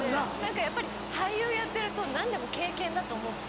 やっぱり俳優やってると何でも経験だと思って。